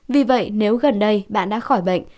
vì vậy nếu gần đây bạn đã khỏi bệnh